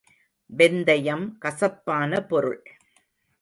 வெந்தயம் கசப்பான பொருள்.